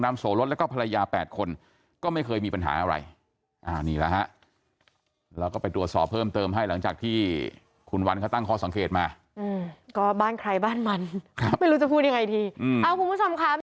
ความโสลดแล้วก็ภรรยาแปดคนก็ไม่เคยมีปัญหาอะไรอ่านี่ล่ะฮะเราก็ไปตรวจสอบเพิ่มเติมให้หลังจากที่คุณวันเขาตั้งข้อสังเกตมาก็บ้านใครบ้านมันครับไม่รู้จะพูดยังไงทีอ่าคุณผู้ชมค่ะ